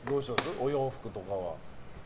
お洋服とかは。